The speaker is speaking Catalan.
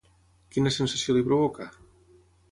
Quina sensació li provoca?